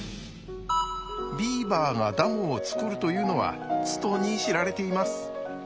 ビーバーがダムを作るというのはつとに知られています。